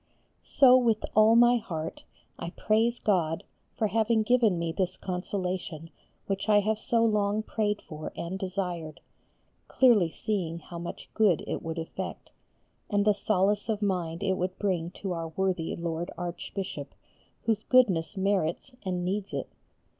So with all my heart I praise God for having given me this consolation which I have so long prayed for and desired, clearly seeing how much good it would effect, and the solace of mind it would bring to our worthy Lord Archbishop, whose goodness merits and needs it.